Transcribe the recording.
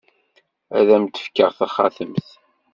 Ad am-d-fkeɣ taxatemt.